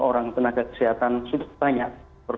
orang tenaga kesehatan sudah banyak